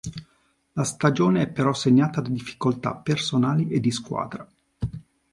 La stagione è però segnata da difficoltà personali e di squadra.